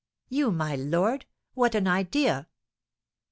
"You, my lord? What an idea!"